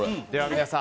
皆さん